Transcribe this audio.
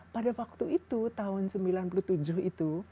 pada waktu itu tahun sembilan puluh tujuh itu